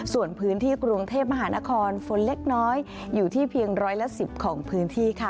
ส่วนพื้นที่กรุงเทพมหานครฝนเล็กน้อยอยู่ที่เพียงร้อยละ๑๐ของพื้นที่ค่ะ